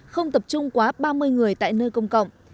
không tập trung quá ba mươi người tại nơi công cộng